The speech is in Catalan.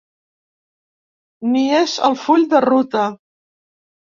Ni és el full de ruta.